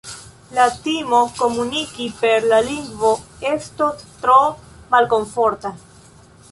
La timo komuniki per la lingvo estos tro malkomforta.